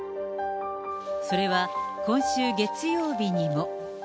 それは今週月曜日にも。